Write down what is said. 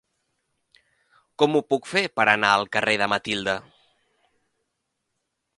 Com ho puc fer per anar al carrer de Matilde?